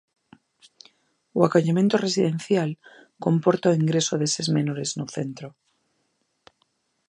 O acollemento residencial comporta o ingreso deses menores no centro.